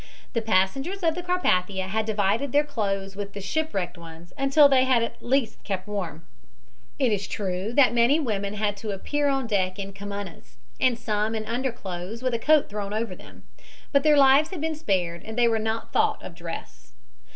The passengers of the Carpathia had divided their clothes with the shipwrecked ones until they had at least kept warm. It is true that many women had to appear on deck in kimonos and some in underclothes with a coat thrown over them, but their lives had been spared and they had not thought of dress.